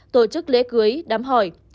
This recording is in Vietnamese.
tổ chức lễ cưới đám hỏi